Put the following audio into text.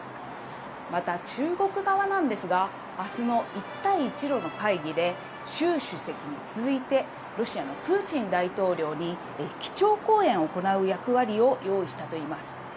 また中国側なんですが、あすの一帯一路の会議で、習主席に続いて、ロシアのプーチン大統領に基調講演を行う役割を用意されています。